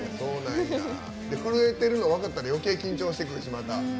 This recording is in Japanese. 震えてるの分かったらよけい緊張してくるし。